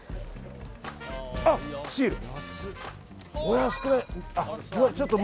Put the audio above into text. あ、シール。